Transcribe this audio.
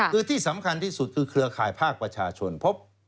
คือที่สำคัญที่สุดคือเครือข่ายภาคประชาชนพบ